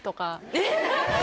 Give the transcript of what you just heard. えっ？